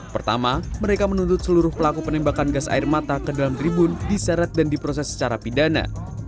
pertama mereka menuntut seluruh pelaku penembakan gas air mata ke dalam tribun diseret dan diproses secara pidana